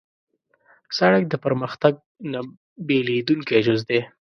سړک د پرمختګ نه بېلېدونکی جز دی.